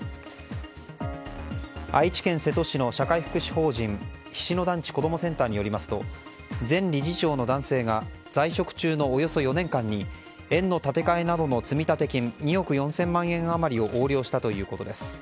愛知県瀬戸市の社会福祉法人菱野団地子どもセンターによりますと前理事長の男性が在職中のおよそ４年間に園の建て替えなどの積立金２億４０００万円余りを横領したということです。